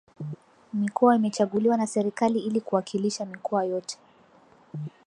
Mikoa imechaguliwa na serikali ili kuwakilisha mikoa yote